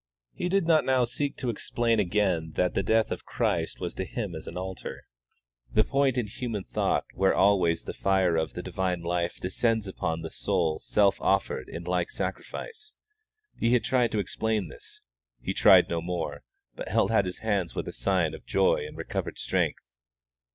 He did not now seek to explain again that the death of Christ was to him as an altar, the point in human thought where always the fire of the divine life descends upon the soul self offered in like sacrifice. He had tried to explain this; now he tried no more, but he held out his hands with a sign of joy and recovered strength.